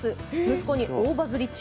息子に、大バズり中。